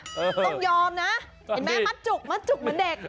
ต้องยอมนะเห็นไหมมาจุกเหมือนเด็ก